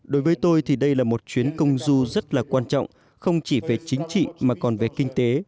đối với tôi thì đây là một chuyến công du rất là quan trọng không chỉ về chính trị mà còn về kinh tế